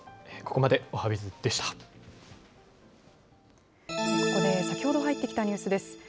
ここで先ほど入ってきたニュースです。